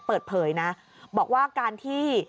เปิดเผยนะบอกว่าการที่